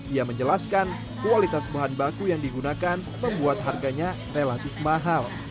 ia menjelaskan kualitas bahan baku yang digunakan membuat harganya relatif mahal